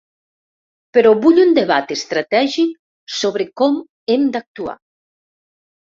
Però vull un debat estratègic sobre com hem d’actuar.